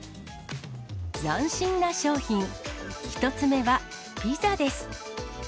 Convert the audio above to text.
斬新な商品、１つ目は、ピザです。